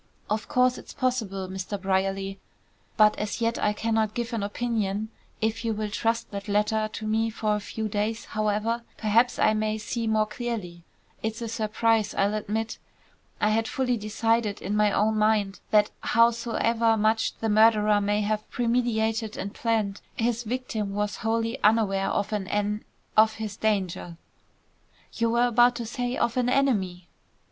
"Of course it's possible, Mr. Brierly, but as yet I cannot give an opinion. If you will trust that letter to me for a few days, however, perhaps I may see more clearly. It's a surprise, I'll admit. I had fully decided in my own mind that howsoever much the murderer may have premeditated and planned, his victim was wholly unaware of an en of his danger." "You were about to say, of an enemy!"